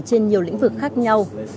trên nhiều lĩnh vực khác nhau